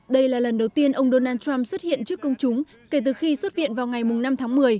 đây là lần đầu tiên ông donald trump xuất hiện trước công chúng kể từ khi xuất viện vào ngày năm tháng một mươi